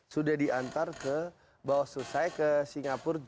sudah diantar ke bawah aslo saya ke singapura